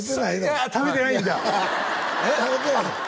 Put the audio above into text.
あっ食べてないんだお前